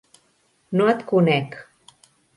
No et conec.